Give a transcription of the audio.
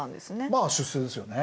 まあ出世ですよね。